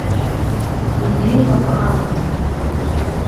Инеилап аамҭа.